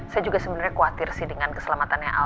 saya juga sebenarnya khawatir sih dengan keselamatannya